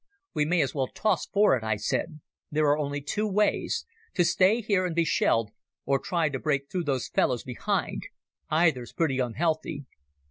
"We may as well toss for it," I said. "There's only two ways—to stay here and be shelled or try to break through those fellows behind. Either's pretty unhealthy."